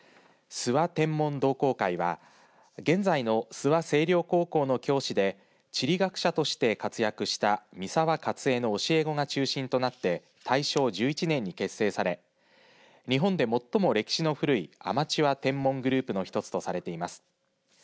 諏訪天文同好会は現在の諏訪清陵高校の教師で地理学者として活躍した三沢勝衛の教え子が中心となって大正１１年に結成され日本で最も歴史の古いアマチュア天文グループの１つとされています。